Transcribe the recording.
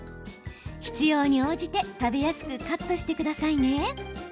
必要に応じて食べやすくカットしてくださいね。